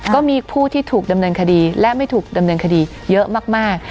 ก็มีผู้ที่ถูกดำเนินคดีและไม่ถูกดำเนินคดีเยอะมาก